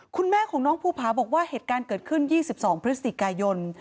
คุณแม่ของน้องภูผาบอกว่าเหตุการณ์เกิดขึ้น๒๒พฤศจิกายน